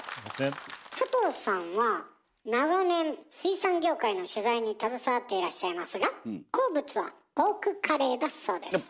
佐藤さんは長年水産業界の取材に携わっていらっしゃいますが好物はポークカレーだそうです。